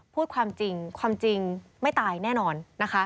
พูดความจริงความจริงไม่ตายแน่นอนนะคะ